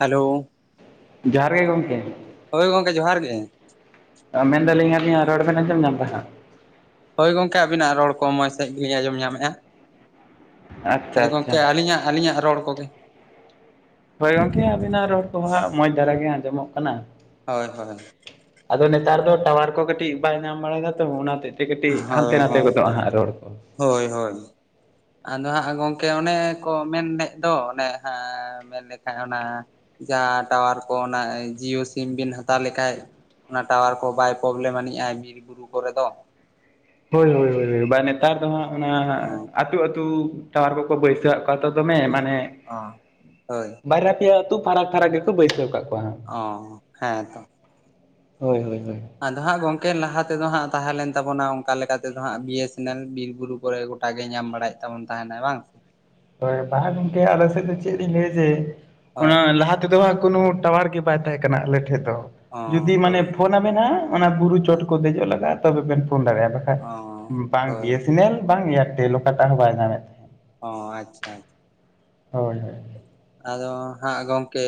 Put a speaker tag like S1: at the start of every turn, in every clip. S1: Hello,
S2: ᱡᱚᱦᱟᱨ ᱜᱮ ᱜᱚᱢᱠᱮ ᱾
S1: ᱦᱳᱭ ᱜᱚᱢᱠᱮ ᱡᱚᱦᱟᱨ ᱜᱮ ᱾
S2: ᱢᱮᱱᱫᱟᱞᱤᱧ ᱟᱹᱞᱤᱧᱟᱜ ᱨᱚᱲ ᱵᱮᱱ ᱟᱡᱚᱢ ᱧᱟᱢᱮᱫᱟ?
S1: ᱦᱳᱭ ᱜᱚᱢᱠᱮ ᱟᱵᱤᱱᱟᱜ ᱨᱚᱲ ᱠᱚ ᱢᱚᱡᱽ ᱥᱟᱦᱤᱜ ᱜᱮᱞᱤᱧ ᱟᱸᱡᱚᱢ ᱧᱟᱢᱮᱜᱼᱟ ᱾
S2: ᱟᱪᱪᱷᱟ
S1: ᱛᱟᱦᱚᱞᱮ
S2: ᱟᱪᱪᱷᱟ
S1: ᱜᱚᱢᱠᱮ ᱟᱹᱞᱤᱧᱟᱜ ᱟᱹᱞᱤᱧᱟᱜ ᱨᱚᱲ ᱠᱚᱜᱮ,
S2: ᱦᱳᱭ ᱜᱚᱢᱠᱮ ᱟᱵᱤᱱᱟᱜ ᱨᱚᱲ ᱠᱚᱦᱚᱸ ᱢᱚᱸᱡᱽ ᱫᱷᱟᱨᱟ ᱜᱮ ᱟᱸᱡᱚᱢᱚᱜ ᱠᱟᱱᱟ ᱾
S1: ᱦᱳᱭ ᱦᱳᱭ ᱾
S2: ᱟᱫᱚ ᱱᱮᱛᱟᱨ ᱫᱚ ᱴᱟᱣᱟᱨ ᱠᱚ ᱠᱟᱹᱴᱤᱡ ᱵᱟᱭ ᱧᱟᱢ ᱵᱟᱲᱟᱭᱟ ᱛᱚ ᱚᱱᱟᱛᱮ ᱾ ᱠᱟᱹᱴᱤᱡ ᱠᱟᱹᱴᱤᱡ ᱦᱟᱱᱛᱮ
S1: ᱦᱳᱭ
S2: ᱱᱟᱛᱮ
S1: ᱦᱳᱭ
S2: ᱜᱚᱫᱚᱜᱼᱟ ᱦᱟᱸᱜ ᱨᱚᱲ ᱠᱚ,
S1: ᱦᱳᱭ ᱦᱳᱭ, ᱟᱫᱚ ᱦᱟᱸᱜ ᱜᱚᱢᱠᱮ ᱚᱱᱮ ᱠᱚ ᱢᱮᱱᱮᱫ ᱫᱚ ᱚᱱᱮ ᱢᱮᱱ ᱞᱮᱠᱷᱟᱡ ᱚᱱᱟ ᱡᱟᱦᱟᱸ ᱴᱟᱣᱟᱨ ᱠᱚ ᱚᱱᱟ ᱡᱤᱭᱳ ᱥᱤᱢ ᱵᱤᱱ ᱦᱟᱛᱟᱣ ᱞᱮᱠᱷᱟᱡ ᱚᱱᱟ ᱴᱟᱣᱟᱨ ᱠᱚ ᱵᱟᱭ ᱯᱨᱚᱵᱞᱮᱢ ᱟᱹᱱᱤᱡᱟᱭ ᱵᱤᱨ ᱵᱩᱨᱩ ᱠᱚᱨᱮ ᱫᱚ ᱾
S2: ᱦᱳᱭ ᱦᱳᱭ ᱱᱮᱛᱟᱨ ᱫᱚ ᱦᱟᱸᱜ ᱚᱱᱟ ᱟᱹᱛᱩ ᱟᱹᱛᱩ ᱴᱟᱣᱟᱨ ᱠᱚᱠᱚ ᱵᱟᱹᱭᱥᱟᱹᱣᱟᱜ [inaudible] ᱫᱚᱢᱮ ᱢᱟᱱᱮ
S1: ᱚ ᱦᱳᱭ
S2: ᱵᱟᱨᱭᱟ ᱯᱮᱭᱟ ᱟᱹᱛᱩ ᱯᱷᱟᱨᱟᱠ ᱯᱷᱟᱨᱟᱠ ᱜᱮᱠᱚ ᱵᱟᱹᱭᱥᱟᱹᱣ ᱠᱟᱜ ᱠᱚᱣᱟ᱾
S1: ᱚ ᱦᱮᱸ ᱛᱚ ᱾
S2: ᱦᱳᱭ ᱦᱳᱭ ᱦᱳᱭ ᱾
S1: ᱟᱫᱚ ᱦᱟᱸᱜ ᱜᱚᱢᱠᱮ ᱞᱟᱦᱟ ᱛᱮᱫᱚ ᱦᱟᱸᱜ ᱛᱟᱦᱮᱸ ᱞᱮᱱ ᱛᱟᱵᱚᱱᱟ ᱚᱱᱠᱟ ᱞᱮᱠᱟ ᱛᱮᱫᱚ ᱦᱟᱸᱜ ᱵᱤᱭ ᱮᱥ ᱮᱱ ᱮᱞ ᱵᱤᱨ ᱵᱩᱨᱩ ᱠᱚᱨᱮ ᱜᱚᱴᱟ ᱜᱚᱴᱟ ᱜᱮ ᱧᱟᱢ ᱵᱟᱲᱟᱭᱮᱫ ᱛᱟᱵᱚᱱ ᱛᱟᱦᱮᱱᱟᱭ ᱵᱟᱝ,
S2: ᱦᱳᱭ ᱵᱟᱝᱼᱟ ᱜᱚᱢᱠᱮ ᱟᱞᱮ ᱥᱮᱫ ᱫᱚ ᱪᱮᱫ ᱤᱧ ᱞᱟᱹᱭᱟ ᱡᱮ
S1: ᱦᱳᱭ
S2: ᱞᱟᱦᱟᱛ ᱱᱚᱛᱮ ᱫᱚ ᱦᱟᱸᱜ ᱠᱳᱱᱳ ᱴᱟᱣᱟᱨ ᱜᱮ ᱵᱟᱭ ᱛᱟᱦᱮᱸ ᱠᱟᱱᱟ ᱟᱞᱮ ᱴᱷᱮᱡ ᱫᱚ
S1: ᱚ
S2: ᱡᱩᱫᱤ ᱢᱟᱱᱮ
S1: ᱦᱳᱭ
S2: ᱯᱷᱳᱱᱟ ᱟᱵᱤᱱ ᱦᱟᱸᱜ ᱚᱱᱟ ᱵᱩᱨᱩ ᱪᱚᱴ ᱠᱚ ᱫᱮᱡᱚᱜ ᱞᱟᱜᱼᱟ ᱛᱚᱵᱮᱱ ᱯᱷᱳᱱ ᱫᱟᱲᱮᱭᱟᱜᱼᱟ᱾
S1: ᱚ
S2: ᱵᱟᱝ
S1: ᱦᱳᱭ
S2: ᱵᱤᱭ ᱮᱥ ᱮᱱ ᱮᱞ ᱵᱟᱝ ᱮᱭᱟᱨᱴᱮᱞ ᱚᱠᱟᱴᱟᱜ ᱦᱚᱸ ᱵᱟᱭ ᱧᱟᱢᱮᱫ ᱛᱟᱦᱮᱸᱫ
S1: ᱚ ᱟᱪᱪᱷᱟ ᱾
S2: ᱦᱳᱭ ᱦᱳᱭ ᱾
S1: ᱟᱫᱚ ᱦᱟᱸᱜ ᱜᱚᱢᱠᱮ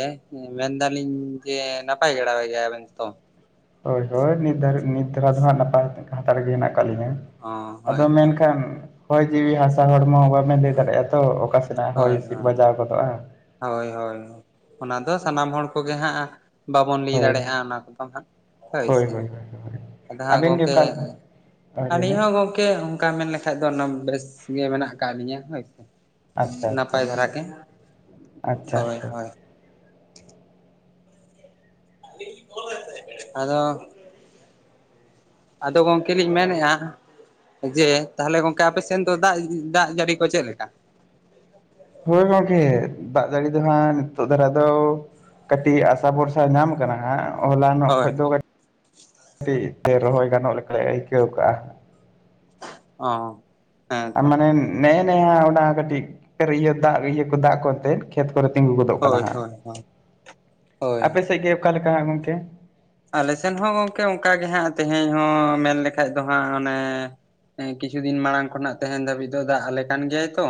S1: ᱢᱮᱱᱫᱟᱞᱤᱧ ᱡᱮ ᱱᱟᱯᱟᱭ ᱵᱟᱲᱟ ᱜᱮᱭᱟᱵᱮᱱ ᱛᱚ᱾
S2: ᱦᱳᱭ ᱦᱳᱭ ᱱᱤᱛ ᱫᱷᱟᱨᱟ ᱱᱤᱛ ᱫᱷᱟᱨᱟ ᱫᱚ ᱦᱟᱸᱜ ᱱᱟᱯᱟᱭ ᱱᱟᱯᱟᱭ ᱨᱮᱜᱮ ᱦᱮᱱᱟᱜ ᱟᱠᱟᱫ ᱞᱤᱧᱟᱹ,
S1: ᱚ
S2: ᱟᱫᱚ
S1: ᱦᱳᱭᱛᱚ
S2: ᱢᱮᱱᱠᱷᱟᱱ ᱦᱚᱭ ᱡᱤᱣᱤ ᱦᱟᱥᱟ ᱦᱚᱲᱢᱚ ᱵᱟᱵᱮᱱ ᱞᱟᱹᱭ ᱫᱟᱲᱮᱭᱟᱜᱼᱟ ᱛᱚ ᱚᱠᱟ ᱥᱮᱱᱟᱜ ᱦᱚᱭ
S1: ᱦᱳᱭ
S2: ᱦᱤᱸᱥᱤᱫ
S1: ᱦᱳᱭ
S2: ᱵᱟᱡᱟᱣ ᱜᱚᱫᱚᱜᱼᱟ᱾
S1: ᱦᱳᱭ ᱦᱳᱭ ᱚᱱᱟ ᱫᱚ ᱥᱟᱱᱟᱢ ᱦᱚᱲ ᱠᱚᱜᱮ ᱦᱟᱸᱜ᱾ ᱵᱟᱵᱚᱱ ᱞᱟᱹᱭ
S2: ᱦᱳᱭ
S1: ᱫᱟᱲᱮᱭᱟᱜᱼᱟ ᱚᱱᱟ ᱠᱚᱫᱚ ᱦᱟᱸᱜ ᱦᱳᱭ ᱥᱮ᱾
S2: [unintelligible]
S1: ᱟᱫᱚ ᱦᱟᱸᱜ
S2: ᱜᱮ
S1: ᱜᱚᱢᱠᱮ
S2: ᱚᱠᱟ
S1: ᱟᱨ
S2: ᱦᱳᱭ ᱞᱟᱹᱭ
S1: ᱟᱞᱤᱧ
S2: ᱵᱮᱱ
S1: ᱦᱚᱸ ᱜᱚᱢᱠᱮ ᱚᱱᱠᱟ ᱢᱮᱱ ᱞᱮᱠᱷᱟᱱ ᱵᱟᱠᱷᱟᱡ ᱫᱚ ᱚᱱᱟ ᱵᱮᱥ ᱜᱮ ᱢᱮᱱᱟᱜ ᱠᱟᱜ ᱞᱤᱧᱟᱹ ᱦᱳᱭ ᱥᱮ,
S2: ᱟᱪᱪᱷᱟ ᱟᱪᱪᱷᱟ
S1: ᱱᱟᱯᱟᱭ
S2: ᱟᱪᱪᱷᱟ
S1: ᱫᱷᱚᱨᱟ ᱜᱮ,
S2: ᱟᱪᱪᱷᱟ
S1: ᱦᱳᱭ
S2: ᱟᱪᱪᱷᱟ
S1: ᱦᱳᱭ᱾ ᱟᱫᱚ ᱟᱫᱚ ᱜᱚᱢᱠᱮ ᱞᱤᱧ ᱢᱮᱱᱮᱫᱼᱟ ᱾ ᱡᱮ ᱛᱟᱦᱚᱞᱮ ᱜᱚᱢᱠᱮ ᱟᱯᱮ ᱥᱮᱱ ᱫᱚ ᱫᱟᱜ ᱫᱟᱜ ᱡᱟᱹᱲᱤ ᱠᱚ ᱪᱮᱫ ᱞᱮᱠᱟ?
S2: ᱦᱳᱭ ᱜᱚᱝᱠᱮ ᱫᱟᱜ ᱡᱟᱹᱲᱤ ᱫᱚ ᱦᱟᱸᱜ ᱱᱤᱛᱚᱜ ᱫᱷᱟᱨᱟ ᱫᱚ ᱠᱟᱹᱴᱤᱡ ᱟᱥᱟ ᱵᱷᱚᱨᱥᱟ ᱧᱟᱢ ᱠᱟᱱᱟ ᱦᱟᱸᱜ ᱦᱚᱞᱟᱱᱚᱜ
S1: ᱦᱳᱭ
S2: ᱠᱷᱚᱡ ᱫᱚ ᱠᱟᱹᱴᱤᱡ ᱛᱮ ᱨᱚᱦᱚᱭ ᱜᱟᱱᱚᱜ ᱞᱮᱠᱟᱞᱮ ᱟᱹᱭᱠᱟᱹᱣ ᱠᱟᱜᱼᱟ᱾
S1: ᱚ ᱦᱮᱸ
S2: ᱟᱨ
S1: ᱛᱚ
S2: ᱢᱟᱱᱮ ᱱᱮᱜ [unintelligible] ᱚᱱᱟ ᱠᱟᱹᱴᱤᱡ ᱤᱭᱟᱹᱟᱜ ᱤᱭᱟᱹ ᱠᱚ ᱫᱟᱜ ᱠᱚ ᱮᱱᱛᱮ ᱠᱷᱮᱛ ᱠᱚᱨᱮ ᱛᱤᱸᱜᱩ ᱜᱚᱫᱚᱜ ᱠᱟᱱᱟ
S1: ᱦᱳᱭ
S2: ᱦᱟᱸᱜ,
S1: ᱦᱳᱭ ᱦᱳᱭ ᱦᱳᱭ
S2: ᱟᱯᱮ ᱥᱮᱫ ᱜᱮ ᱚᱠᱟ ᱞᱮᱠᱟ ᱦᱟᱸᱜ ᱜᱚᱢᱠᱮ?
S1: ᱟᱞᱮ ᱥᱮᱱ ᱦᱚᱸ ᱜᱚᱝᱠᱮ ᱚᱱᱠᱟᱜ ᱜᱮ ᱦᱟᱸᱜ ᱛᱮᱦᱮᱧ ᱦᱚᱸ ᱢᱮᱱ ᱞᱮᱠᱷᱟᱡ ᱫᱚ ᱦᱟᱸᱜ ᱚᱱᱮ ᱦᱮᱸ ᱠᱤᱪᱷᱩ ᱫᱤᱱ ᱢᱟᱲᱟᱝ ᱠᱷᱚᱱᱟᱜ ᱛᱮᱦᱮᱱ ᱫᱷᱟᱹᱵᱤᱡ ᱫᱚ ᱫᱟᱜ ᱟᱞᱮ ᱠᱟᱱ ᱜᱮᱭᱟᱭ ᱛᱚ᱾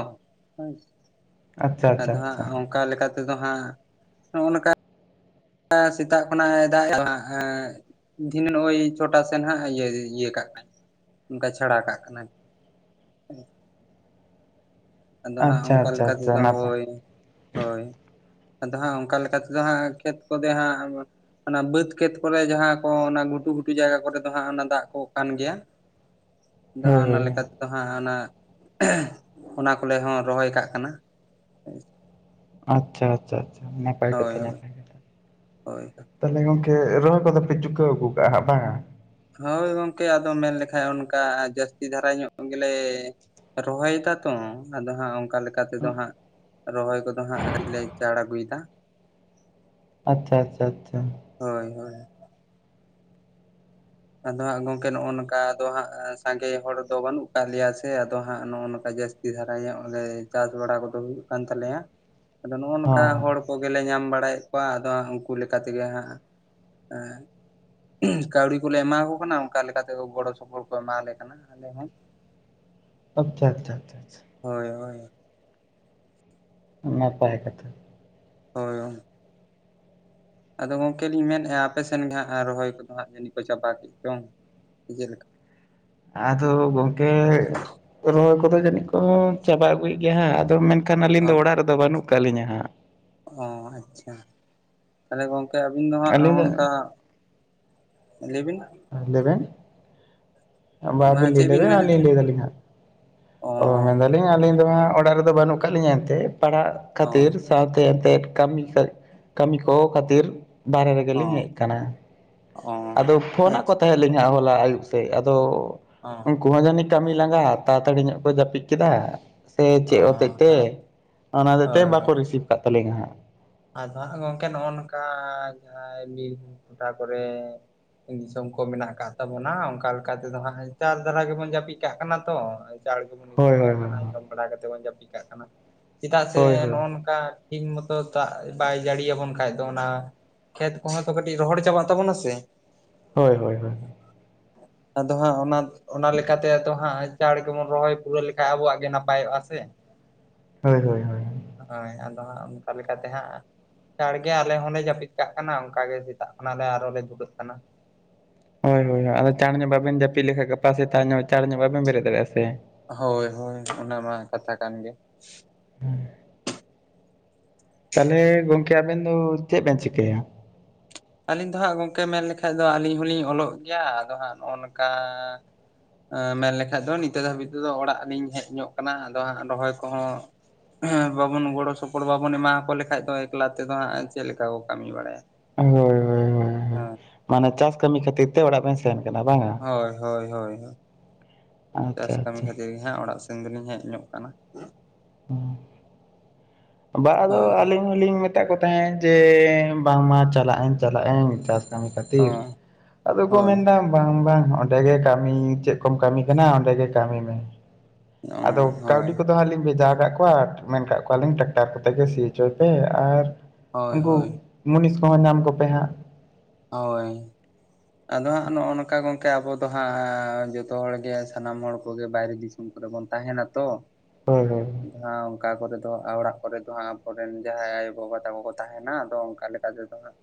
S2: ᱟᱪᱪᱷᱟ ᱟᱪᱪᱷᱟ
S1: ᱟᱫᱚ ᱦᱟᱸᱜ
S2: ᱟᱪᱪᱷᱟ
S1: ᱚᱱᱠᱟ ᱞᱮᱠᱟ ᱛᱮᱫᱚ ᱦᱟᱸᱜ ᱱᱚᱜᱼᱚ ᱱᱚᱝᱠᱟ ᱥᱮᱛᱟᱜ ᱠᱷᱚᱱᱟᱜ ᱮ ᱫᱟᱜ ᱮᱫᱟ ᱫᱷᱤᱱᱟᱹ ᱳᱭ ᱪᱷᱚᱴᱟ ᱥᱮᱫ ᱦᱟᱸᱜ ᱤᱭᱟᱹ ᱠᱟᱜ ᱠᱟᱱᱟ, ᱜᱟᱪᱷᱟᱲ ᱠᱟᱜ ᱠᱟᱱᱟᱭ, ᱟᱫᱚ ᱦᱟᱸᱜ
S2: ᱟᱪᱪᱷᱟ
S1: ᱚᱱᱠᱟ
S2: ᱟᱪᱪᱷᱟ
S1: ᱞᱮᱠᱟ
S2: ᱟᱪᱪᱷᱟ
S1: ᱛᱮᱫᱚ
S2: ᱱᱟᱯᱟᱭ
S1: ᱦᱳᱭ ᱦᱳᱭ᱾ ᱟᱫᱚ ᱦᱟᱸᱜ ᱚᱱᱠᱟ ᱞᱮᱠᱟ ᱛᱮᱫᱚ ᱦᱟᱸᱜ ᱠᱷᱮᱛ ᱠᱚᱫᱚ ᱦᱟᱸᱜ ᱚᱱᱟ ᱵᱟᱹᱫᱽ ᱠᱷᱮᱛ ᱠᱚᱨᱮ ᱡᱟᱦᱟᱸ ᱠᱚ ᱚᱱᱟ ᱜᱷᱩᱴᱩ ᱜᱷᱩᱴᱩ ᱡᱟᱭᱜᱟ ᱠᱚᱨᱮ ᱫᱚ ᱦᱟᱸᱜ ᱚᱱᱟ ᱫᱟᱜ ᱠᱚ ᱠᱟᱱ ᱜᱮᱭᱟ᱾
S2: [unintelligible]
S1: ᱫᱚ ᱦᱟᱸᱜ ᱚᱱᱟ ᱞᱮᱠᱟᱛᱮᱫᱚ ᱦᱟᱸᱜ ᱚᱱᱟ ᱠᱚᱨᱮ ᱦᱚᱸ ᱨᱚᱦᱚᱭ ᱠᱟᱜ ᱠᱟᱱᱟ᱾
S2: ᱟᱪᱪᱷᱟ ᱟᱪᱪᱷᱟ ᱟᱪᱷᱟ,
S1: ᱦᱳᱭ ᱦᱳᱭ
S2: ᱛᱟᱦᱚᱞᱮ ᱜᱚᱝᱠᱮ ᱨᱚᱦᱚᱭ ᱠᱚᱫᱚᱯᱮ ᱪᱩᱠᱟᱹᱣ ᱟᱜᱩ ᱠᱟᱜᱼᱟ ᱦᱟᱸᱜ ᱵᱟᱝᱟ?
S1: ᱦᱳᱭ ᱜᱚᱢᱠᱮ ᱟᱫᱚ ᱢᱮᱱ ᱞᱮᱠᱷᱟᱡ ᱚᱱᱠᱟ ᱡᱟᱹᱥᱛᱤ ᱫᱷᱟᱨᱟ ᱧᱚᱜ ᱜᱮᱞᱮ ᱨᱚᱦᱚᱭ ᱫᱟᱛᱚ ᱟᱫᱚ ᱦᱟᱸᱜ ᱚᱝ ᱚᱠᱟ ᱞᱮᱠᱟ ᱛᱮᱫᱚ ᱦᱟᱸᱜ ᱨᱚᱦᱚᱭ ᱠᱚᱫᱚ ᱦᱟᱸᱜ ᱠᱟᱹᱡ ᱞᱮ ᱪᱟᱬ ᱟᱹᱜᱩᱭᱫᱟ,
S2: ᱟᱪᱪᱷᱟ ᱟᱪᱪᱷᱟ ᱟᱪᱪᱷᱟ᱾
S1: ᱦᱳᱭ ᱦᱳᱭ᱾ ᱟᱫᱚ ᱦᱟᱸᱜ ᱜᱚᱝᱠᱮ ᱱᱚᱜᱼᱚ ᱱᱚᱝᱠᱟ ᱟᱫᱚ ᱦᱟᱸᱜ ᱥᱟᱸᱜᱮ ᱦᱚᱲ ᱫᱚ ᱵᱟᱹᱱᱩᱜ ᱠᱟᱫ ᱞᱮᱭᱟ ᱥᱮ ᱟᱫᱚ ᱦᱟᱸᱜ ᱱᱚᱜᱼᱚ ᱱᱚᱝᱠᱟ ᱡᱟᱹᱥ ᱛᱤ ᱫᱷᱟᱨᱟ ᱧᱚᱸᱜ ᱜᱮ ᱪᱟᱥ ᱵᱟᱲᱟ ᱠᱚᱫᱚ ᱦᱩᱭᱩᱜ ᱠᱟᱱ ᱛᱟᱞᱮᱭᱟ᱾ ᱟᱫᱚ ᱱᱚᱜᱼᱚ ᱱᱚᱝᱠᱟ
S2: ᱦᱚᱸ
S1: ᱦᱚᱲ ᱠᱚᱜᱮᱞᱮ ᱧᱟᱢ ᱵᱟᱲᱟᱭᱮᱜ ᱠᱚᱣᱟ ᱟᱫᱚ ᱩᱱᱠᱩ ᱞᱮᱠᱟ ᱛᱮᱜᱮ ᱦᱟᱸᱜ ᱠᱟᱹᱣᱰᱤ ᱠᱚᱞᱮ ᱮᱢᱟ ᱠᱚ ᱠᱟᱱᱟ ᱚᱱᱠᱟ ᱞᱮᱠᱟᱛᱮ ᱜᱚᱲᱚ ᱥᱚᱯᱚᱦᱚᱫ ᱠᱚ ᱮᱢᱟᱞᱮ ᱠᱟᱱᱟ ᱟᱞᱮ ᱦᱚᱸ᱾
S2: ᱟᱪᱪᱷᱟ ᱪᱷᱟ ᱪᱷᱟ ᱪᱷᱟ᱾
S1: ᱦᱳᱭ ᱦᱳᱭ᱾
S2: ᱱᱟᱯᱟᱭ ᱠᱟᱛᱷᱟ᱾
S1: ᱦᱳᱭ᱾ ᱟᱫᱚ ᱜᱚᱢᱠᱮ ᱞᱤᱧ ᱢᱮᱱᱮᱫᱼᱟ ᱟᱯᱮ ᱥᱮᱮᱱ ᱜᱮ ᱦᱟᱸᱜ ᱨᱚᱦᱚᱭ ᱠᱚᱫᱚ ᱦᱟᱸᱜ ᱡᱟᱹᱱᱤ ᱠᱚ ᱪᱟᱵᱟ ᱠᱮᱫ ᱪᱚᱝ ᱥᱮ ᱪᱮᱫᱮᱠᱟ?
S2: ᱟᱫᱚ ᱜᱚᱝᱠᱮ ᱨᱚᱦᱚᱭ ᱠᱚᱫᱚ ᱡᱟᱹᱱᱤᱡ ᱠᱚ ᱪᱟᱵᱟ ᱟᱹᱜᱩᱭᱮᱫ ᱜᱮᱭᱟ ᱦᱟᱸᱜ, ᱟᱫᱚ ᱢᱮᱱ ᱠᱷᱟᱱ ᱟᱹᱞᱤᱧ
S1: ᱚ
S2: ᱫᱚ ᱚᱲᱟᱜ ᱨᱮᱫᱚ ᱵᱟᱹᱱᱩᱜ ᱠᱟᱫ ᱞᱤᱧᱟᱹ ᱦᱟᱸᱜ᱾
S1: ᱚ ᱟᱪᱪᱷᱟ, ᱛᱟᱦᱞᱮ ᱜᱚᱢᱠᱮ ᱟᱹᱵᱤᱱ ᱫᱚ ᱦᱟᱸᱜ ᱱᱚᱜ ᱱᱚᱝᱠᱟ ᱞᱟᱹᱭᱵᱤᱱ᱾
S2: ᱞᱮᱭᱵᱮᱱ᱾ ᱵᱟ
S1: ᱢᱟ
S2: ᱟᱵᱤᱱ ᱞᱟᱹᱭ
S1: ᱪᱮᱫ ᱵᱤᱱ
S2: ᱞᱮᱵᱮᱱ
S1: ᱢᱮᱱᱮᱫ
S2: ᱞᱟᱹᱭ
S1: ᱛᱟᱦᱮᱸᱫ
S2: ᱫᱟᱞᱤᱧ ᱦᱟᱸ,
S1: ᱚ
S2: ᱳ ᱢᱮᱱ ᱫᱟ ᱟᱹᱞᱤᱧ ᱫᱚ ᱦᱟᱸᱜ ᱚᱲᱟᱜ ᱨᱮᱫᱚ ᱵᱟᱹᱱᱩᱜ ᱠᱟᱜ ᱞᱤᱧᱟ ᱮᱱᱛᱮᱫ ᱯᱟᱲᱦᱟᱜ
S1: ᱚ
S2: ᱠᱷᱟᱹᱛᱤᱨ ᱥᱟᱶᱛᱮ ᱮᱱᱛᱮᱫ ᱠᱟᱹᱢᱤ ᱠᱟᱜ ᱠᱟᱹᱢᱤ ᱠᱚ ᱠᱷᱟᱹᱛᱤᱨ ᱵᱟᱨᱮ ᱨᱮᱜᱮᱞᱤᱧ ᱦᱮᱡ
S1: ᱚ
S2: ᱠᱟᱱᱟ,
S1: ᱚ
S2: ᱟᱫᱚ ᱯᱷᱳᱱᱟᱜ ᱠᱚ
S1: ᱟᱪᱪᱷᱟ
S2: ᱛᱟᱦᱮᱸᱫ ᱦᱮᱸ ᱟᱞᱤᱧᱟᱸᱜ ᱦᱚᱞᱟ ᱟᱹᱭᱩᱵ ᱥᱮᱫ ᱟᱫᱚ
S1: ᱚ᱾
S2: ᱩᱱᱠᱩᱦᱚ ᱡᱟᱹᱱᱤ ᱠᱟᱹᱢᱤ ᱞᱟᱸᱜᱟ ᱛᱟᱲᱟ ᱛᱟᱹᱲᱤ ᱧᱚᱜ ᱠᱚ ᱡᱟᱹᱯᱤᱫ ᱠᱮᱫᱟ, ᱥᱮ
S1: ᱚ
S2: ᱪᱮᱫ ᱦᱚᱛᱮᱡ ᱛᱮ
S1: ᱦᱮᱸ
S2: ᱚᱱᱟ ᱦᱛᱮᱡ ᱛᱮ
S1: ᱦᱳᱭ
S2: ᱵᱟᱠᱚ
S1: ᱦᱳᱭ
S2: ᱨᱤᱥᱤᱵᱷ ᱠᱟᱜ ᱛᱟᱞᱮᱧᱭᱟ ᱦᱟᱸᱜ᱾
S1: ᱟᱫᱚ ᱦᱟᱸᱜ ᱜᱚᱝᱠᱮ ᱱᱚᱜᱼᱚ ᱱᱚᱝᱠᱟ ᱡᱟᱦᱟᱸᱭ ᱵᱤᱨᱵᱷᱩᱢ ᱴᱚᱴᱷᱟ ᱠᱚᱨᱮ ᱫᱤᱥᱚᱢ ᱠᱚ ᱢᱮᱱᱟᱜ ᱠᱟᱫ ᱛᱟᱵᱚᱱᱟ ᱚᱝᱠᱟ ᱞᱮᱠᱟ ᱛᱮᱫᱚ ᱦᱟᱸᱜ ᱪᱟᱲ ᱫᱷᱟᱨᱟ ᱜᱮᱵᱚᱱ ᱡᱟᱹᱯᱤᱫ ᱠᱟᱜ ᱠᱟᱱᱟ ᱛᱚ, ᱪᱟᱲ ᱜᱮᱵᱚᱱ
S2: ᱦᱳᱭ
S1: ᱤᱥᱤᱱ ᱠᱟᱜ
S2: ᱦᱳᱭ
S1: ᱠᱟᱱᱟ
S2: ᱦᱳᱭ
S1: ᱡᱚᱢ ᱵᱟᱲᱟ ᱠᱟᱛᱮ ᱵᱚᱱ ᱡᱟᱹᱯᱤᱫ ᱠᱟᱜ ᱠᱟᱱᱟ, ᱪᱮᱫᱟᱜ ᱥᱮ
S2: ᱦᱳᱭ ᱦᱳᱭ
S1: ᱱᱚᱜᱼᱚ ᱱᱚᱝᱠᱟ ᱛᱮᱦᱤᱧ ᱢᱚᱛᱚ ᱫᱟᱜ ᱵᱟᱭ ᱡᱟᱹᱲᱤ ᱟᱵᱚᱱ ᱠᱷᱟᱡ ᱫᱚ ᱚᱱᱟ ᱠᱷᱮᱛ ᱠᱚ ᱦᱚᱸ ᱛᱚ ᱠᱟᱹᱴᱤᱡ ᱨᱚᱦᱚᱲ ᱪᱟᱵᱟᱜ ᱛᱟᱵᱚᱱᱟ ᱥᱮ।
S2: ᱦᱳᱭ ᱦᱳᱭ ᱦᱳᱭ।
S1: ᱟᱫᱚ ᱦᱟᱸᱜ ᱚᱱᱟ ᱚᱱᱟ ᱞᱮᱠᱟᱛᱮ ᱟᱫᱚ ᱦᱟᱸᱜ ᱪᱟᱲ ᱜᱮᱵᱚᱱ ᱨᱚᱦᱚᱭ ᱯᱩᱨᱟᱹᱣ ᱞᱮᱠᱷᱟᱡ ᱟᱵᱚᱣᱟᱜ ᱜᱮ ᱱᱟᱯᱟᱭᱚᱜᱼᱟ ᱥᱮ।
S2: ᱦᱳᱭ ᱦᱳᱭ ᱦᱳᱭ।
S1: ᱦᱳᱭ ᱟᱫᱚ ᱦᱟᱸᱜ ᱚᱱᱠᱟ ᱞᱮᱠᱟᱛᱮ ᱦᱟᱸᱜ ᱪᱟᱲ ᱜᱮ ᱟᱞᱮ ᱦᱚᱸᱞᱮ ᱡᱟᱹᱯᱤᱫ ᱠᱟᱜ ᱠᱟᱱᱟ ᱚᱱᱠᱟ ᱜᱮ ᱥᱮᱛᱟᱜ ᱠᱷᱚᱱᱞᱮ ᱟᱨᱦᱚᱸ ᱞᱮ ᱫᱷᱩᱨᱟᱹᱜ ᱠᱟᱱᱟ।
S2: ᱦᱳᱭ ᱦᱳᱭ ᱟᱫᱚ ᱪᱟᱲ ᱧᱚᱜ ᱵᱟᱵᱮᱱ ᱡᱟᱹᱯᱤᱫ ᱞᱮᱠᱷᱡ ᱜᱟᱯᱟ ᱥᱮᱛᱟᱜ ᱧᱚᱜ ᱪᱟᱬ ᱧᱚᱜ ᱵᱟᱵᱮᱱ ᱵᱮᱨᱮᱫᱟᱲᱮᱭᱟᱜᱼᱟ ᱥᱮ।
S1: ᱦᱳᱭ ᱦᱳᱭ ᱚᱱᱟ ᱢᱟ ᱠᱟᱛᱷᱟ ᱠᱟᱱ ᱜᱮ।
S2: ᱛᱟᱦᱚᱞᱮ ᱜᱚᱝᱠᱮ ᱟᱵᱮᱱ ᱫᱚ ᱪᱮᱫ ᱵᱮᱱ ᱪᱤᱠᱟᱹᱭᱟ?
S1: ᱟᱹᱞᱤᱧ ᱫᱚ ᱦᱟᱸᱜ ᱜᱚᱝᱠᱮ ᱢᱮᱱ ᱞᱮᱠᱷᱟᱱ ᱫᱚ ᱟᱹᱞᱤᱧ ᱦᱚᱞᱤᱧ ᱚᱞᱚᱜ ᱜᱮᱭᱟ ᱟᱫᱚ ᱦᱟᱸᱜ ᱱᱚᱜᱼᱚ ᱱᱚᱝᱠᱟ ᱮ ᱢᱮᱱ ᱞᱮᱠᱷᱟᱡ ᱫᱚ ᱱᱤᱛᱚᱜ ᱫᱷᱟᱹᱵᱤᱡ ᱛᱮᱫᱚ ᱚᱲᱟᱜ ᱞᱤᱧ ᱦᱮᱡ ᱧᱚᱜ ᱠᱟᱱᱟ ᱟᱫᱚ ᱦᱟᱸᱜ ᱨᱚᱦᱚᱭ ᱠᱚᱦᱚᱸ ᱦᱮᱸ ᱵᱟᱵᱚᱱ ᱜᱚᱲᱚ ᱥᱚᱯᱚᱦᱚᱫ ᱵᱟᱵᱚᱱ ᱮᱢᱟᱠᱚ ᱞᱮᱠᱟᱡ ᱫᱚ ᱮᱠᱞᱟ ᱛᱮᱫᱚ ᱦᱟᱸᱜ ᱪᱮᱫ ᱞᱮᱠᱟ ᱠᱚ ᱠᱟᱹᱢᱤ ᱵᱟᱲᱟᱭᱟ?
S2: ᱦᱳᱭ ᱦᱚᱳ ᱦᱳᱭ।
S1: ᱦᱮᱸ।
S2: ᱢᱟᱱᱮ ᱪᱟᱥ ᱠᱟᱹᱢᱤ ᱠᱷᱟᱹᱛᱤᱨ ᱛᱮ ᱚᱲᱟᱜ ᱵᱮᱱ ᱥᱮᱜ
S1: ᱦᱳᱭ ᱦᱳᱭ ᱦᱳᱭ ᱪᱟᱥ
S2: ᱟᱪᱪᱷᱟ
S1: ᱠᱟᱹᱢᱤ
S2: ᱟᱪᱪᱷᱟ
S1: ᱠᱷᱟᱹᱛᱤᱨᱼᱼ ᱦᱮᱸ ᱚᱲᱟᱜ ᱥᱮᱱ ᱜᱮᱞᱤᱧ ᱦᱮᱡ ᱧᱚᱜ ᱠᱟᱱᱟ।
S2: ᱚ ᱵᱟᱝ ᱟᱫᱚ
S1: ᱦᱳᱭ
S2: ᱟᱹᱞᱤᱧᱼᱼ ᱟᱞᱤᱧ ᱢᱮᱛᱟᱫ ᱠᱚ ᱛᱟᱦᱮᱸᱫ ᱡᱮ ᱵᱟᱝ ᱢᱟ ᱪᱟᱞᱟᱜ ᱟᱹᱧ ᱪᱟᱞᱟᱜ ᱟᱹᱧ ᱪᱟᱥ ᱠᱟᱹᱢᱤ ᱠᱟᱛᱮ ᱛᱤᱨᱮ
S1: ᱦᱚᱸ
S2: ᱟᱫᱚ ᱠᱚ
S1: ᱦᱳᱭ
S2: ᱢᱮᱱ ᱫᱟ ᱵᱟᱝ ᱵᱟᱝ ᱚᱸᱰᱮ ᱜᱮ ᱠᱟᱹᱢᱤ ᱪᱮᱫ ᱠᱚᱢ ᱠᱟᱹᱢᱤ ᱠᱟᱱᱟ ᱚᱸᱰᱮ ᱜᱮ ᱠᱟᱹᱢᱤ ᱢᱮ।
S1: ᱚ
S2: ᱟᱫᱚ
S1: ᱦᱳᱭ
S2: ᱠᱟᱹᱣᱰᱤ ᱠᱚᱫᱚ ᱦᱟᱸᱜ ᱞᱤᱧ ᱵᱷᱮᱡᱟ ᱠᱟᱜ ᱠᱚᱣᱟ ᱟᱨ ᱢᱮᱱ ᱠᱟᱜ ᱠᱚᱣᱟᱞᱤᱧ ᱴᱨᱟᱠᱴᱟᱨ ᱠᱚᱛᱮ ᱜᱮ ᱥᱤ ᱦᱚᱪᱚᱭ ᱯᱮ ᱟᱨ
S1: ᱦᱳᱭ
S2: ᱩᱱᱠᱩ
S1: ᱦᱳᱭ
S2: ᱢᱩᱱᱤᱥ ᱠᱚ ᱦᱚᱸ ᱧᱟᱢ ᱠᱚᱯᱮ ᱦᱟᱸᱜ।
S1: ᱦᱳᱭ। ᱟᱫᱚ ᱦᱟᱸᱜ ᱱᱚᱜᱼᱚ ᱱᱚᱝᱠᱟ ᱜᱚᱝᱠᱮ ᱟᱵᱚ ᱫᱚ ᱦᱟᱸᱜ ᱡᱚᱛᱚ ᱦᱚᱲᱜᱮ ᱥᱟᱱᱟᱢ ᱦᱚᱲ ᱠᱚᱜᱮ ᱵᱟᱭᱨᱮ ᱫᱤᱥᱚᱢ ᱠᱚᱨᱮ ᱵᱚᱱ ᱛᱟᱦᱮᱱᱟ ᱛᱚ।
S2: ᱦᱳᱭ
S1: ᱚᱱᱠᱟ ᱠᱚᱨᱮ ᱫᱚ ᱚᱲᱟᱜ ᱠᱚᱨᱮ ᱫᱚ ᱦᱟᱸᱜ ᱟᱵᱚᱨᱮᱱ ᱡᱟᱦᱟᱸᱭ ᱟᱭᱳᱼᱵᱟᱵᱟ ᱛᱟᱠᱚ ᱠᱚ ᱛᱟᱦᱮᱱᱟ ᱟᱫᱚ ᱚᱱᱠᱟ ᱞᱮᱠᱟ ᱛᱮᱫᱚ ᱦᱟᱸᱜ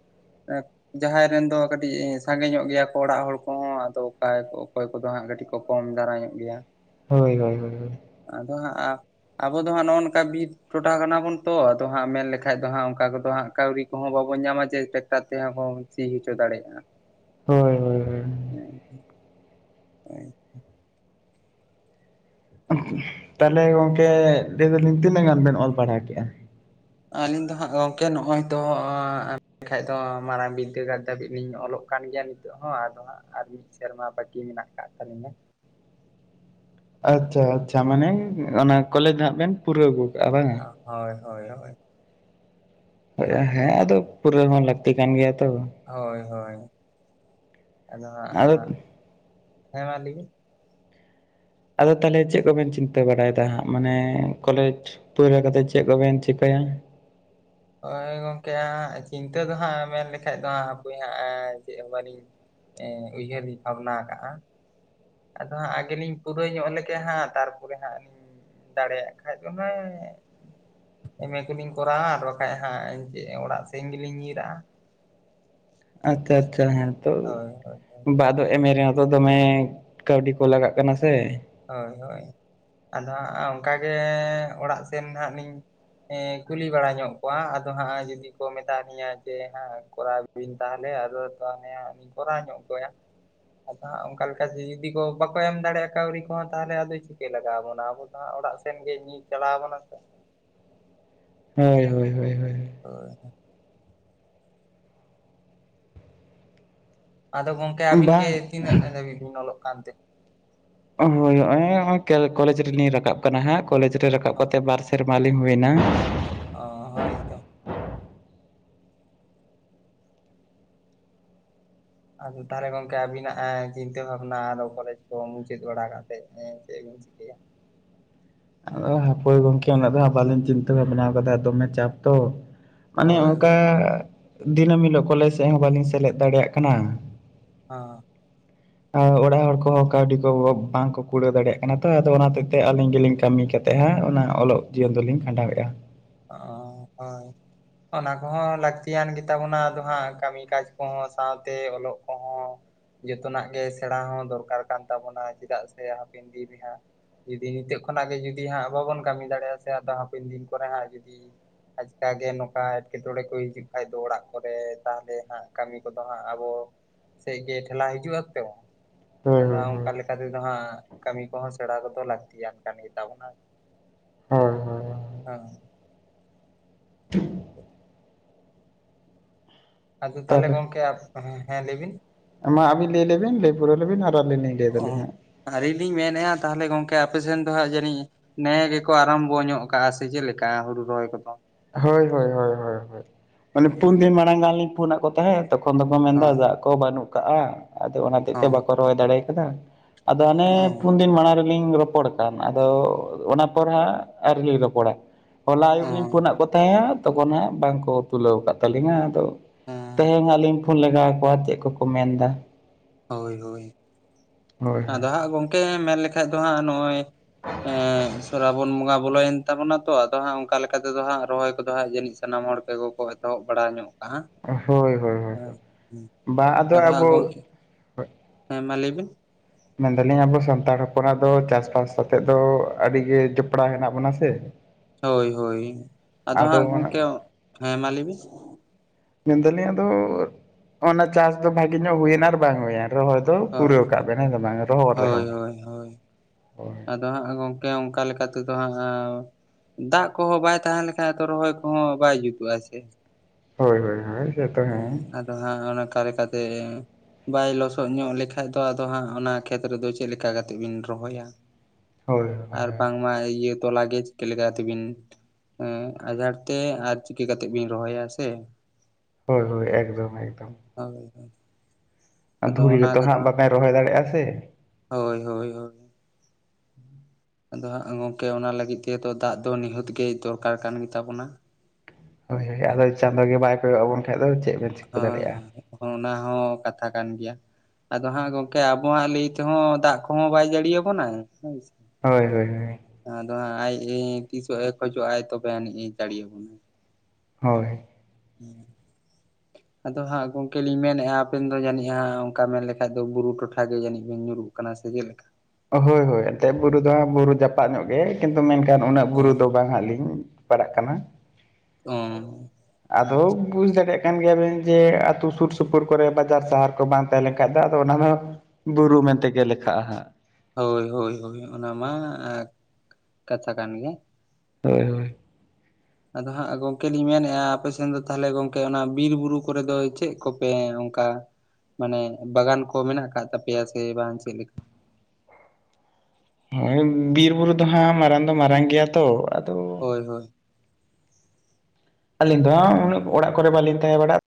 S1: ᱮᱸᱼᱼ ᱡᱟᱦᱟᱸᱭ ᱨᱮᱱ ᱫᱚ ᱠᱟᱹᱴᱤᱡ ᱥᱟᱸᱜᱮ ᱧᱚᱜ ᱜᱮᱭᱟ ᱠᱚ ᱚᱲᱟᱜ ᱦᱚᱲ ᱠᱚᱦᱚᱸ ᱟᱫᱚ ᱚᱠᱚ ᱚᱠᱚᱭ ᱠᱚᱫᱚ ᱦᱟᱸᱜ ᱠᱟᱴᱤᱡ ᱠᱚ ᱠᱚᱢ ᱫᱟᱨᱟ ᱧᱚᱜ ᱜᱮᱭᱟ।
S2: ᱦᱳᱭ ᱦᱳᱭ ᱦᱳᱭ।
S1: ᱟᱫᱚ ᱦᱟᱸᱜ ᱟᱵᱚ ᱫᱚ ᱦᱟᱸᱜ ᱱᱚᱜᱼᱚ ᱱᱚᱝᱼᱠᱟ ᱵᱤᱨᱼᱼ ᱴᱚᱴᱷᱟ ᱠᱟᱱᱟ ᱵᱚᱱ ᱛᱚ ᱟᱫᱚ ᱦᱟᱸᱜ ᱢᱮᱱᱞᱞᱠᱷᱟᱱ ᱫᱚ ᱦᱟᱸᱜ ᱚᱱᱠᱟ ᱠᱚᱫᱚ ᱦᱟᱸᱜ ᱠᱟᱹᱣᱰᱤ ᱠᱚᱦᱚᱸ ᱵᱟᱵᱚᱱ ᱧᱟᱢᱟ ᱡᱮ ᱴᱮᱠᱴᱟᱨ ᱛᱮᱦᱚᱸᱼᱼ ᱥᱤ ᱦᱚᱪᱚ ᱫᱟᱲᱮᱭᱟᱜᱼᱟ।
S2: ᱦᱳᱭ। ᱦᱳᱭ ᱦᱳᱭ
S1: ᱦᱮᱸ ᱦᱮᱸ।
S2: ᱛᱟᱦᱚᱞᱮ ᱜᱚᱝᱼᱠᱮ ᱞᱟᱹᱭ ᱫᱟᱞᱤᱧ ᱛᱤᱱᱟᱹᱜ ᱜᱟᱱ ᱵᱮᱱ ᱚᱞ ᱯᱟᱲᱦᱟᱣ ᱠᱮᱜᱼᱟ?
S1: ᱟᱹᱞᱤᱧ ᱫᱚ ᱦᱟᱸᱜ ᱜᱚᱝᱠᱮ ᱱᱚᱜᱼᱚᱭ ᱛᱚ ᱟᱸᱼᱼ ᱮᱱᱠᱷᱟᱡ ᱫᱚ ᱢᱟᱨᱟᱝ ᱵᱤᱫᱽᱫᱟᱹᱜᱟᱲ ᱫᱷᱟᱹᱵᱤᱡ ᱞᱤᱧ ᱚᱞᱚᱜ ᱠᱟᱱ ᱜᱮᱭᱟ ᱱᱤᱛᱚᱜ ᱦᱚᱸ ᱟᱫᱚ ᱦᱟᱸᱜ ᱟᱨ ᱢᱤᱫ ᱥᱮᱨᱢᱟ ᱵᱟᱹᱜᱤ ᱢᱮᱱᱟᱜ ᱟᱠᱟᱫ ᱛᱟᱹᱟᱞᱤᱧᱟ᱾
S2: ᱟᱪᱪᱷᱟ ᱟᱪᱪᱷᱟ ᱢᱟᱱᱮ ᱚᱱᱟ ᱠᱚᱞᱮᱡᱽ ᱫᱚ ᱦᱟᱜ ᱵᱮᱱ ᱯᱩᱨᱟᱹᱣ ᱟᱹᱜᱩ ᱠᱟᱜᱼᱟ ᱵᱟᱝ?
S1: ᱦᱳᱭ ᱦᱳᱭ ᱦᱳᱭ।
S2: ᱦᱮᱸ ᱟᱫᱚ ᱯᱩᱨᱟᱹ ᱦᱚᱸ ᱞᱟᱹᱠᱛᱤ ᱠᱟᱱ ᱜᱮᱭᱟ ᱛᱚ।
S1: ᱦᱳᱭ ᱦᱳᱭ ᱟᱫᱚ ᱦᱟᱸᱜ ᱦᱮᱸᱢᱟ ᱞᱟᱹᱭᱵᱤᱱ?
S2: ᱟᱫᱚ ᱛᱟᱦᱚᱞᱮ ᱪᱮᱫ ᱠᱚᱵᱮᱱ ᱪᱤᱱᱛᱟᱹ ᱵᱟᱲᱟᱭᱮᱫᱟ ᱦᱟᱸᱜ ᱢᱟᱱᱮ ᱠᱚᱞᱮᱡᱽ ᱯᱩᱨᱟᱹᱣ ᱠᱟᱛᱮᱫ ᱪᱮᱫ ᱠᱚᱵᱮᱱ ᱪᱤᱠᱟᱹᱭᱟ?
S1: ᱦᱳᱭ ᱜᱚᱝᱠᱮ ᱪᱤᱱᱛᱟᱹ ᱫᱚ ᱦᱟᱸᱜ ᱢᱮᱱ ᱞᱮᱠᱷᱟᱡ ᱫᱚ ᱦᱟᱜ ᱦᱟᱯᱚᱭ ᱦᱟᱸ ᱪᱮᱫ ᱦᱚᱸ ᱵᱟᱞᱤᱧ ᱮ ᱩᱭᱦᱟᱹᱨᱤᱧ ᱵᱷᱟᱵᱱᱟ ᱟᱠᱟᱜᱼᱟ। ᱟᱫᱚ ᱦᱟᱸᱜ ᱟᱜᱮᱞᱤᱧ ᱯᱩᱨᱟᱹᱭ ᱧᱚᱜ ᱞᱮᱜ ᱦᱟᱸᱜ ᱛᱟᱨᱯᱚᱨᱮ ᱦᱟᱸᱜᱼᱼ ᱫᱟᱲᱮᱭᱟᱜ ᱠᱷᱟᱡ ᱫᱚ ᱦᱟᱜᱼᱼ ᱮᱢᱮ ᱠᱚᱞᱤᱧ ᱠᱚᱨᱟᱣᱟ ᱟᱨ ᱵᱟᱠᱷᱟᱡ ᱦᱟᱸᱜ ᱡᱮ ᱚᱲᱟᱜ ᱥᱮᱤᱧ ᱜᱮᱞᱤᱧ ᱧᱤᱨᱟᱜᱼᱟ᱾
S2: ᱟᱠᱠᱷᱟ ᱟᱠᱠᱷᱟ ᱦᱮᱸ ᱛᱚ
S1: ᱦᱳᱭ ᱦᱳᱭ ᱦᱳᱭ
S2: ᱵᱟᱫᱚ ᱮᱢᱮ ᱨᱮᱦᱚ ᱛᱚ ᱫᱚᱢᱮ ᱠᱟᱹᱣᱰᱤ ᱠᱚ ᱞᱟᱜᱟᱜ ᱠᱟᱱᱟ ᱥᱮᱼᱼ
S1: ᱦᱳᱭ ᱦᱳᱭ ᱟᱫᱚ ᱦᱟᱸᱜ ᱚᱱᱠᱟᱜᱮ ᱮᱸ ᱚᱲᱟᱜ ᱥᱮᱱ ᱦᱟᱸᱜ ᱞᱤᱧᱼᱼ ᱮᱸ ᱠᱩᱞᱤ ᱵᱟᱲᱟ ᱧᱚᱜ ᱠᱚᱣᱟ ᱟᱫᱚ ᱦᱟᱸᱜ ᱡᱩᱫᱤ ᱠᱚ ᱢᱮᱛᱟ ᱞᱤᱧᱟᱹ ᱡᱮ ᱦᱟᱜ ᱠᱚᱨᱟᱣᱼᱼ ᱦᱩᱭᱤᱧ ᱛᱟᱦᱚᱞᱮ ᱟᱫᱚ ᱛᱟᱦᱮᱭᱟᱜ ᱠᱚᱨᱟᱣ ᱧᱚᱜ ᱜᱚᱭᱟ᱾ ᱟᱫᱚ ᱦᱟᱜ ᱚᱱᱠᱟ ᱞᱮᱠᱟ ᱡᱮ ᱤᱫᱤ ᱠᱚ ᱵᱟᱠᱚ ᱮᱢ ᱫᱟᱲᱮᱭᱟᱜᱼᱟ ᱠᱟᱹᱣᱨᱤᱼᱼ ᱢᱟ ᱛᱟᱦᱞᱮ ᱟᱫᱚᱭ ᱪᱤᱠᱟᱹᱭ ᱞᱟᱜᱟᱣ ᱵᱚᱱᱟ ᱟᱵᱚ ᱫᱚ ᱦᱟᱸᱜ ᱚᱲᱟᱜ ᱥᱮᱱ ᱜᱮ ᱧᱤᱨ ᱪᱟᱞᱟᱣ ᱵᱚᱱᱟ ᱥᱮ᱾
S2: ᱦᱳᱭ ᱦᱳᱭ ᱦᱳᱭ ᱦᱳᱭ ᱦᱳᱭ᱾
S1: ᱦᱳᱭ᱾ ᱟᱫᱚ ᱜᱚᱝᱠᱮ ᱟᱵᱤᱱ ᱜᱮ
S2: ᱵᱟᱝ
S1: ᱛᱤᱱᱟᱹᱜ ᱫᱷᱟᱹᱵᱤᱡ ᱵᱤᱱ ᱚᱞᱚᱜ ᱠᱟᱱᱛᱮ᱾
S2: ᱦᱳᱭ ᱦᱚᱸᱜ-ᱚᱭ ᱚᱸᱜ-ᱚᱭ ᱠᱮ ᱠᱚᱞᱮᱡᱽ ᱨᱮᱞᱤᱧ ᱨᱟᱠᱟᱵ ᱠᱟᱱᱟ ᱦᱟᱸᱜ ᱠᱚᱞᱮᱡᱽ ᱨᱮ ᱨᱟᱠᱟᱵ ᱠᱟᱛᱮ ᱵᱟᱨ ᱥᱮᱨ ᱢᱟ ᱞᱤᱧ ᱦᱩᱭᱱᱟ᱾
S1: ᱚᱻ ᱦᱳᱭᱛᱚ᱾ ᱟᱫᱚ ᱛᱟᱦᱞᱮ ᱜᱚᱝᱠᱮ ᱟᱵᱤᱱᱟᱜ ᱮᱸ ᱪᱤᱱᱛᱟᱹ ᱵᱷᱟᱵᱽᱱᱟ ᱟᱫᱚ ᱠᱚᱞᱮᱡᱽ ᱠᱚ ᱢᱩᱪᱟᱹᱫ ᱵᱟᱲᱟ ᱠᱟᱛᱮ ᱮᱸ ᱪᱮᱜ ᱵᱤ ᱪᱤᱠᱟᱹᱭᱟ᱾
S2: ᱟᱫᱚ ᱦᱟᱯᱚᱭ ᱜᱚᱝᱠᱮ ᱩᱱᱟᱹᱜ ᱫᱚ ᱦᱟᱸᱜ ᱵᱟᱞᱤᱧ ᱪᱤᱱᱛᱟᱹ ᱵᱷᱟᱵᱽᱵᱱᱟᱣ ᱠᱟᱫᱟ ᱫᱚᱢᱮ ᱪᱟᱯ ᱛᱚ᱾ ᱢᱟᱱᱮ
S1: ᱦᱳᱭ
S2: ᱚᱝᱠᱟ
S1: ᱦᱳᱭ
S2: ᱫᱤᱱᱟᱹᱢ ᱦᱤᱞᱳᱜ ᱠᱚᱞᱮᱡᱽ ᱥᱮᱜ ᱦᱚᱸ ᱵᱟᱞᱤᱧ ᱥᱮᱞᱮᱫ ᱫᱟᱲᱮᱭᱟᱜ ᱠᱟᱱᱟ᱾
S1: ᱦᱚᱸ᱾
S2: [inaudible] ᱟᱸ ᱚᱲᱟᱜ ᱦᱚᱲ ᱠᱚᱦᱚᱸ ᱠᱟᱣᱰᱤ ᱠᱚ ᱵᱟᱝᱠᱚ ᱠᱩᱲᱟᱹᱣ ᱫᱟᱲᱮᱭᱟᱜ ᱠᱟᱱᱟ ᱛᱚ ᱟᱫᱚ ᱚᱱᱟ ᱦᱚᱛᱮᱜ ᱛᱮ ᱟᱞᱤᱧ ᱜᱮᱞᱤᱧ᱾ ᱠᱟᱢᱤ ᱠᱟᱛᱮ ᱦᱟᱸᱜ ᱚᱱᱟ ᱚᱞᱚᱜ ᱡᱤᱭᱚᱱ ᱫᱚᱞᱤᱧ ᱠᱷᱟᱸᱰᱟᱣᱮᱜ-ᱟ᱾
S1: ᱚ ᱦᱳᱭ
S2: [inaudible]
S1: ᱚᱱᱟ ᱠᱚᱦᱚᱸ ᱞᱟᱠᱛᱤᱭᱟᱱ ᱜᱮᱛᱟᱵᱚᱱᱟ ᱟᱫᱚ ᱦᱟᱸᱜ ᱠᱟᱢᱤ ᱠᱟᱡᱽ ᱠᱚᱦᱚᱸ ᱥᱟᱶᱛᱮ ᱚᱞᱚᱜ ᱠᱚᱦᱚᱸ᱾ ᱡᱷᱚᱛᱚᱱᱟᱜ ᱜᱮ ᱥᱮᱸᱬᱟ ᱦᱚᱸ ᱫᱚᱨᱠᱟᱨ ᱠᱟᱱ ᱛᱟᱵᱚᱱᱟ ᱪᱮᱫᱟᱜ ᱥᱮ ᱦᱟᱯᱮᱱ ᱫᱤᱱ ᱨᱮ ᱦᱟᱸᱜ᱾ ᱡᱩᱫᱤ ᱱᱤᱛᱚᱜ ᱠᱷᱚᱱᱟᱜ ᱜᱮ ᱡᱩᱫᱤ ᱦᱟᱸᱜ ᱵᱟᱵᱚᱱ ᱠᱟᱢᱤ ᱫᱟᱲᱮᱜ-ᱟ ᱥᱮ ᱟᱫᱚ ᱦᱟᱯᱮᱱ ᱫᱤᱱ ᱠᱚᱨᱮ ᱦᱟᱸᱜ᱾ ᱡᱩᱫᱤ
S2: [inaudible]
S1: ᱟᱪᱠᱟ ᱜᱮ ᱱᱚᱠᱟ ᱮᱸᱴᱠᱮᱴᱚᱬᱮ ᱠᱚ ᱦᱤᱡᱩᱜ ᱠᱷᱟᱡ ᱫᱚ ᱚᱲᱟᱜ ᱠᱚᱨᱮ ᱛᱟᱦᱞᱮ ᱦᱟᱸᱜ ᱠᱟᱢᱤ ᱠᱚᱫᱚ ᱦᱟᱸᱜ ᱟᱵᱚ᱾ ᱥᱮᱜ ᱜᱮ ᱴᱷᱮᱞᱟᱣ ᱦᱤᱡᱩᱜ ᱟ ᱛᱚ
S2: ᱦᱳᱭ
S1: ᱟᱫᱚ᱾
S2: ᱦᱳᱭ ᱦᱳᱭ
S1: ᱚᱠᱟ ᱞᱮᱠᱟᱛᱮᱫᱚ ᱦᱟᱸᱜ ᱠᱟᱢᱤ ᱠᱚᱦᱚᱸ ᱥᱮᱸᱬᱟ ᱠᱚᱫᱚ ᱞᱟᱠᱛᱤᱭᱟᱱ ᱠᱟᱱ ᱜᱮᱛᱟᱵᱚᱱᱟ᱾
S2: ᱦᱳᱭ ᱦᱳᱭ
S1: ᱦᱟᱸ᱾ [inaudible] ᱟᱫᱚ ᱛᱟᱦᱞᱮ
S2: ᱛᱟᱦᱚᱞᱮ
S1: ᱜᱚᱢᱠᱮ ᱟ ᱦᱮᱸ ᱞᱟᱹᱭ ᱵᱤᱱ᱾
S2: ᱢᱟ ᱟᱵᱤᱱ ᱞᱟᱹᱭ ᱞᱮᱵᱤᱱ ᱞᱟᱹᱭ ᱯᱩᱨᱟᱹᱣ ᱞᱮᱵᱤᱱ ᱟᱨ ᱟᱞᱤᱧ ᱞᱤᱧ ᱞᱟᱹᱭ ᱫᱟᱞᱤᱧ ᱦᱟᱸᱜ᱾
S1: ᱟᱞᱤᱧ ᱞᱤᱧ ᱢᱮᱱᱮᱜ-ᱟ ᱛᱟᱦᱞᱮ ᱜᱚᱝᱠᱮ ᱟᱯᱮᱥᱮᱱ ᱫᱚ ᱦᱟᱸᱜ ᱡᱟᱹᱱᱤᱡ᱾ ᱱᱮ ᱜᱮᱠᱚ ᱟᱨᱟᱢᱵᱚ ᱧᱚᱜ ᱠᱟᱜ-ᱟ ᱥᱮ ᱪᱮᱜ ᱞᱮᱠᱟ ᱦᱩᱲᱩ ᱨᱚᱦᱚᱭ ᱠᱚᱫᱚ᱾
S2: ᱦᱳᱭ ᱦᱳᱭ ᱦᱳᱭ ᱦᱳᱭ ᱦᱳᱭ ᱢᱟᱱᱮ ᱯᱩᱱ ᱫᱤᱱ ᱢᱟᱲᱟᱝ ᱜᱟᱱ ᱞᱤᱧ ᱯᱷᱳᱱ ᱟᱜ ᱠᱚ ᱛᱟᱸᱦᱮ ᱛᱚᱠᱷᱚᱱ ᱫᱚᱠᱚ ᱢᱮᱱᱫᱟ
S1: ᱦᱳᱭ
S2: ᱫᱟᱜ᱾ ᱠᱚ ᱵᱟᱹᱱᱩᱜ ᱠᱟᱜ-ᱟ ᱟᱫᱚ ᱚᱱᱟ ᱦᱚᱛᱮᱡ ᱛᱮ
S1: ᱦᱚᱸ
S2: ᱵᱟᱠᱚ ᱨᱚᱦᱚᱭ ᱫᱟᱲᱮᱭ ᱠᱟᱫᱟ ᱟᱫᱚ ᱦᱟᱱᱮ
S1: ᱚᱸ
S2: ᱯᱩᱱ ᱫᱤᱱ ᱢᱟᱲᱟᱝ ᱨᱮ᱾ ᱞᱤᱧ ᱨᱚᱯᱚᱲ ᱠᱟᱱ ᱟᱫᱚ ᱚᱱᱟ ᱯᱚᱨ ᱦᱟᱸᱜ ᱟᱣᱨᱤᱞᱤᱧ ᱨᱚᱯᱚᱲᱟ ᱦᱚᱞᱟ ᱟᱭᱩᱵ ᱞᱤᱧ᱾
S1: ᱚᱸ
S2: ᱠᱚᱛᱷᱟᱭᱟ ᱛᱚᱠᱷᱚᱱ ᱦᱟᱸᱜ ᱵᱟᱝᱠᱚ ᱛᱩᱞᱟᱹᱣ ᱟᱠᱟᱫ ᱛᱟᱞᱤᱧᱟ ᱟᱫᱚ
S1: ᱚᱸ
S2: ᱛᱮᱦᱮᱧ ᱦᱚᱸ ᱟᱞᱤᱧ᱾ ᱯᱷᱳᱱ ᱞᱟᱜᱟᱣ ᱠᱚᱣᱟ ᱪᱮᱜ ᱠᱚᱠᱚ ᱢᱮᱱ ᱫᱟ᱾
S1: ᱦᱳᱭ ᱦᱳᱭ
S2: ᱦᱳᱭ
S1: ᱟᱫᱚ ᱦᱟᱸᱜ ᱜᱚᱝᱠᱮ ᱢᱮᱱ ᱞᱮᱠᱷᱟᱡ ᱫᱚ ᱦᱟᱸᱜ ᱱᱚᱜ-ᱚᱭ᱾ ᱮᱸ ᱥᱚᱨᱟᱵᱚᱱ ᱵᱚᱸᱜᱟ ᱵᱚᱞᱚᱭᱮᱱ ᱛᱟᱵᱚᱱᱟ ᱛᱚ ᱟᱫᱚ ᱦᱟᱸᱜ ᱚᱱᱠᱟ ᱞᱮᱠᱟ ᱞᱮᱠᱟ ᱛᱮᱫᱚ ᱦᱟᱸᱜ ᱨᱚᱦᱚᱭ ᱠᱚᱫᱚ ᱦᱟᱸᱜ ᱡᱟᱹᱱᱤᱡ᱾ ᱥᱟᱱᱟᱢ ᱦᱚᱲ ᱛᱮᱜᱚ ᱠᱚ ᱮᱛᱚᱦᱚᱵ ᱵᱟᱲᱟ ᱧᱚᱜ᱾ ᱠᱟᱜᱼᱟ
S2: ᱦᱳᱭ ᱦᱳᱭ ᱦᱳᱭ ᱵᱟ ᱟᱫᱚ
S1: ᱦᱟᱸᱜ
S2: ᱟᱵᱚ᱾
S1: ᱜᱚᱝᱠᱮ ᱦᱮᱸ ᱢᱟ ᱞᱟᱹᱭ ᱵᱤᱱ᱾
S2: ᱢᱮᱱ ᱫᱟᱞᱤᱧ ᱟᱵᱚ ᱥᱟᱱᱛᱟᱲ ᱦᱚᱯᱚᱱᱟᱜ ᱫᱚ ᱪᱟᱥ ᱵᱟᱥ ᱥᱟᱛᱮᱜ ᱫᱚ ᱟᱰᱤᱜᱮ ᱡᱚᱯᱲᱟᱣ ᱦᱮᱱᱟᱜ ᱵᱚᱱᱟ ᱥᱮ᱾
S1: ᱦᱳᱭ ᱦᱳᱭ ᱟᱫᱚ ᱦᱟᱸᱜ ᱜᱚᱢᱠᱮ ᱦᱮᱸ ᱢᱟ ᱞᱟᱹᱭ ᱵᱤᱱ᱾
S2: ᱢᱮᱱ ᱫᱟᱞᱤᱧ ᱟᱫᱚ ᱚᱱᱟ ᱪᱟᱥ ᱫᱚ ᱵᱷᱟᱜᱤ ᱧᱚᱜ ᱦᱩᱭᱮᱱ ᱟᱨ ᱵᱟᱝ ᱦᱩᱭᱮᱱ ᱨᱚᱦᱚᱭ᱾ ᱫᱚ
S1: ᱦᱳᱭ
S2: ᱯᱩᱨᱟᱹᱣ ᱠᱟᱜ ᱵᱮᱱ ᱦᱮᱸ ᱥᱮ ᱵᱟᱝ ᱨᱚᱦᱚᱲ ᱨᱮᱦᱚᱸ ᱦᱳᱭ᱾
S1: ᱫᱚ ᱦᱟᱸᱜ ᱜᱚᱝᱠᱮ ᱚᱱᱠᱟ ᱞᱮᱠᱟ ᱛᱮᱫᱚ ᱦᱟᱸᱜ ᱮᱸ᱾ ᱫᱟᱜ ᱠᱚᱦᱚᱸ ᱵᱟᱭ ᱛᱟᱸᱦᱮ ᱞᱮᱠᱷᱟᱡ ᱛᱚ ᱨᱚᱦᱚᱭ ᱠᱚᱦᱚᱸ ᱵᱟᱭ ᱡᱩᱛᱩᱜ-ᱟ ᱥᱮ᱾
S2: ᱦᱳᱭ ᱦᱳᱭ ᱦᱳᱭ
S1: ᱦᱮᱸ ᱟᱫᱚ ᱦᱟᱸᱜ ᱚᱱᱠᱟ ᱞᱮᱠᱟ ᱛᱮᱼᱼ ᱵᱟᱭ ᱞᱚᱥᱚᱫ ᱧᱚᱜ ᱞᱮᱠᱷᱟᱡ ᱫᱚ ᱟᱫᱚ ᱦᱟᱸᱜ ᱚᱱᱟ ᱠᱷᱮᱛ ᱨᱮᱫᱚ ᱪᱮᱫ ᱞᱮᱠᱟ ᱠᱟᱛᱮᱫ ᱵᱤᱱ ᱨᱚᱦᱚᱭᱟ
S2: ᱦᱳᱭ
S1: ᱟᱨ
S2: ᱦᱳᱭ
S1: ᱵᱟᱝ ᱢᱟ ᱤᱭᱟᱹᱼᱼ ᱛᱚᱞᱟ ᱜᱮ ᱪᱤᱠᱟᱹ ᱞᱮᱠᱟ ᱛᱮᱵᱤᱱ ᱟᱸᱡᱷᱟᱴ ᱛᱮ ᱟᱨ ᱪᱤᱠᱟᱹ ᱠᱟᱛᱮᱜ ᱵᱤᱱ ᱨᱚᱦᱚᱭᱟ ᱥᱮᱼᱼ
S2: ᱦᱳᱭ ᱦᱳᱭ ᱮᱠᱫᱚᱢ ᱮᱠᱫᱚᱢ
S1: ᱦᱳᱭ ᱟᱫᱚ
S2: ᱫᱷᱩᱲᱤ
S1: ᱚᱱᱟ
S2: ᱨᱮᱛᱚ ᱦᱟᱸᱜ
S1: ᱠᱚᱫᱚ
S2: ᱵᱟᱵᱮᱱ ᱨᱚᱦᱚᱭ ᱫᱟᱲᱮᱭᱟᱜᱼᱟ ᱥᱮ
S1: ᱦᱳᱭ ᱦᱳᱭ ᱦᱳᱭ ᱟᱫᱚ ᱦᱟᱸᱜ ᱜᱚᱝᱠᱮ ᱚᱱᱟ ᱞᱟᱹᱜᱤᱫ ᱛᱮᱫᱚ ᱫᱟᱜ ᱫᱚ ᱱᱤᱦᱟᱹᱛ ᱜᱮ ᱫᱚᱨᱠᱟᱨ ᱠᱟᱱ ᱜᱮ ᱛᱟᱵᱚᱱᱟ
S2: ᱦᱳᱭ ᱦᱳᱭ ᱟᱫᱚ ᱪᱟᱸᱫᱳ ᱜᱮ ᱵᱟᱭ ᱠᱚᱭᱚᱜ ᱟᱵᱚᱱ ᱠᱷᱟᱱ ᱫᱚ ᱪᱮᱫ ᱵᱮᱱᱼᱼ
S1: ᱦᱮᱸ ᱚᱱᱟ ᱦᱚᱸ ᱠᱟᱛᱷᱟ ᱠᱟᱱ ᱜᱮᱭᱟ ᱟᱫᱚ ᱦᱟᱸᱜ ᱜᱚᱝᱠᱮ ᱟᱵᱚᱣᱟᱜ ᱞᱟᱹᱭ ᱛᱮᱦᱚᱸ ᱫᱟᱜ ᱠᱚᱦᱚᱸ ᱵᱟᱭ ᱡᱟᱹᱲᱤᱭᱟ ᱵᱚᱱᱟᱭ ᱦᱮᱸ
S2: ᱦᱳᱭ ᱦᱳᱭ ᱦᱳᱭ
S1: ᱟᱫᱚ ᱦᱟᱸᱜ ᱟᱡ ᱮ ᱛᱤᱥᱚᱜᱼᱮ ᱠᱷᱚᱡᱚᱜᱼ ᱟᱭ ᱛᱚᱵᱮ ᱤᱱᱤᱡ ᱮ ᱡᱟᱹᱲᱤ ᱟᱵᱚᱱᱟᱭ
S2: ᱦᱳᱭ
S1: [inaudible]
S2: [inaudible]
S1: ᱟᱫᱚ ᱦᱟᱸᱜ ᱜᱚᱝᱠᱮ ᱞᱤᱧ ᱢᱮᱱᱮᱫᱼᱟ ᱟᱵᱮᱱ ᱫᱚ ᱡᱟᱹᱱᱤᱡ ᱦᱟᱸᱜ ᱚᱱᱠᱟ ᱢᱮᱱ ᱞᱮᱠᱷᱟᱡ ᱫᱚ ᱵᱩᱨᱩ ᱴᱚᱴᱷᱟ ᱜᱮ ᱡᱟᱹᱱᱤᱡ ᱵᱮᱱ ᱧᱩᱨᱩᱜ ᱠᱟᱱᱟ ᱥᱮ ᱪᱮᱫ ᱞᱮᱠᱟ?
S2: ᱦᱳᱭ ᱦᱳᱭ ᱮᱱᱛᱮ ᱵᱩᱨᱩ ᱫᱚ ᱵᱩᱨᱩ ᱡᱟᱯᱟᱜ ᱧᱚᱜ ᱜᱮ ᱠᱤᱱᱛᱩ ᱢᱮᱱ ᱠᱷᱟᱱ ᱮᱠᱷᱟᱱ ᱩᱱᱟᱹᱜ
S1: ᱚ
S2: ᱵᱩᱨᱩ ᱫᱚ ᱵᱟᱝ ᱦᱟᱸᱜ ᱞᱤᱧ ᱯᱟᱲᱟᱜ ᱠᱟᱱᱟ
S1: ᱚᱸ ᱟᱪᱪᱷᱟᱼᱼ
S2: ᱵᱩᱡ ᱫᱟᱲᱮᱭᱟᱜ ᱠᱟᱱ ᱜᱮᱭᱟ ᱵᱮᱱ ᱡᱮ ᱟᱹᱛᱩ ᱥᱩᱨ ᱥᱩᱯᱩᱨ ᱠᱚᱨᱮ ᱵᱟᱡᱟᱨ ᱥᱟᱦᱟᱨ ᱠᱚ ᱵᱟᱝ ᱛᱟᱦᱮᱸ ᱞᱮᱱ ᱠᱷᱟᱡ ᱫᱚ ᱟᱫᱚ ᱚᱱᱟ ᱫᱚᱼᱼ ᱵᱩᱨᱩ ᱢᱮᱱ ᱛᱮᱜᱮ ᱞᱮᱠᱷᱟᱜᱼᱟ ᱦᱟᱸᱜ
S1: ᱦᱳᱭ ᱦᱳᱭ ᱦᱳᱭ ᱚᱱᱟ ᱢᱟ ᱮ ᱠᱟᱛᱷᱟ ᱠᱟᱱ ᱜᱮ
S2: ᱦᱳᱭ ᱦᱳᱭ
S1: ᱟᱫᱚ ᱦᱟᱸᱜ ᱜᱚᱢᱠᱮ ᱞᱤᱧ ᱢᱮᱱᱮᱫᱼᱟ ᱟᱯᱮ ᱥᱮᱱ ᱫᱚ ᱛᱟᱦᱚᱞᱮ ᱜᱚᱢᱠᱮ ᱚᱱᱟ ᱵᱤᱨᱼ ᱵᱩᱨᱩ ᱠᱚᱨᱮ ᱫᱚ ᱪᱮᱫ ᱠᱚᱯᱮ ᱚᱱᱠᱟᱼᱼ ᱢᱟᱱᱮ ᱵᱟᱜᱟᱱ ᱠᱚ ᱢᱮᱱᱟᱜ ᱟᱠᱟᱫ ᱛᱟᱯᱮᱭᱟ ᱥᱮ ᱵᱟᱝ ᱪᱮᱫ ᱞᱮᱠᱟ?
S2: ᱦᱳ ᱵᱤᱨ ᱵᱩᱨᱩ ᱫᱚ ᱦᱟᱸᱜ ᱢᱟᱨᱟᱝ ᱫᱚ ᱢᱟᱨᱟᱝ ᱜᱮᱭᱟ ᱛᱚ ᱟᱫᱚᱼᱼ
S1: ᱦᱳᱭ ᱦᱳᱭ
S2: ᱟᱹᱞᱤᱧ ᱫᱚ ᱦᱟᱸᱜ ᱩᱱᱟᱹᱜ ᱚᱲᱟᱜ ᱠᱚᱨᱮ ᱵᱟᱞᱤᱧ ᱛᱟᱦᱮᱸ ᱵᱟᱲᱟᱜᱼᱟ